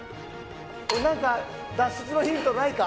おい何か脱出のヒントないか？